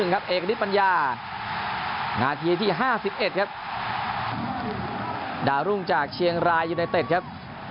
เอกฤทธปัญญานาทีที่๕๑ครับดาวรุ่งจากเชียงรายยูไนเต็ดครับ